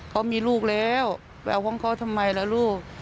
เขามีลูกแล้วไปเอาของเขาทำไมล่ะลูก